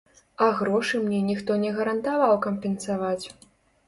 А грошы мне ніхто не гарантаваў кампенсаваць.